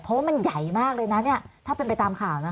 เพราะว่ามันใหญ่มากเลยนะเนี่ยถ้าเป็นไปตามข่าวนะ